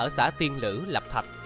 ở xã tiên lữ lập thạch